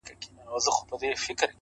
ستا لېونۍ خندا او زما له عشقه ډکه ژړا _